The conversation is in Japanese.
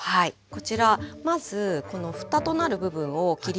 こちらまずこのふたとなる部分を切り落とします。